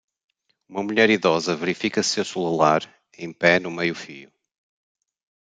Uma mulher idosa verifica seu celular em pé no meio-fio.